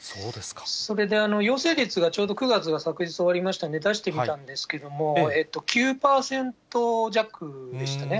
それで陽性率が９月が昨日終わりましたので、出してみたんですけれども、９％弱でしたね。